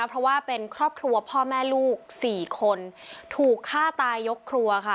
เพราะว่าเป็นครอบครัวพ่อแม่ลูกสี่คนถูกฆ่าตายยกครัวค่ะ